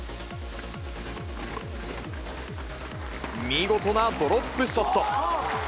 見事なドロップショット。